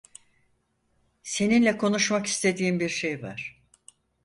Seninle konuşmak istediğim bir şey var.